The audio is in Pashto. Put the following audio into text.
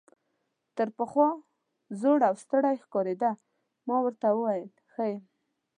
تر پخوا زوړ او ستړی ښکارېده، ما ورته وویل ښه یم.